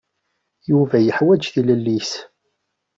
Yuba yeḥwaǧ tilelli-s.